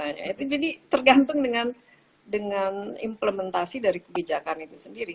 nah itu jadi tergantung dengan implementasi dari kebijakan itu sendiri